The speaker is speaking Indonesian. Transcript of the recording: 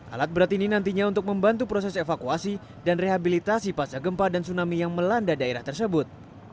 alat berat ini nantinya untuk membantu proses evakuasi dan rehabilitasi pasca gempa dan tsunami yang melanda daerah tersebut